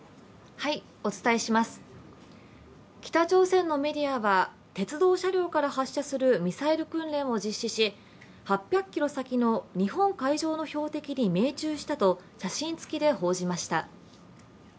北朝鮮のメディアは鉄道車両から発車するミサイル訓練を実施し、８００ｋｍ先の日本海上の標的に命中したと写真付きで報じました。